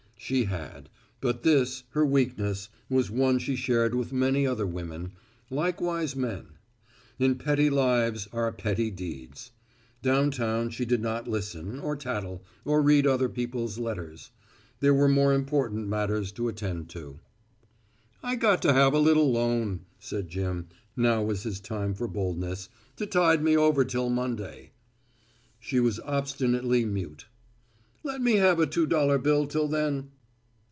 She had; but this, her weakness, was one she shared with many other women likewise men. In petty lives are petty deeds. Downtown she did not listen, or tattle, or read other people's letters. There were more important matters to attend to. "I got to have a little loan," said Jim now was his time for boldness "to tide me over till Monday." She was obstinately mute. "Let me have a two dollar bill till then?"